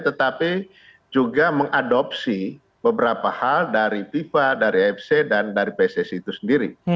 tetapi juga mengadopsi beberapa hal dari fifa dari afc dan dari pssi itu sendiri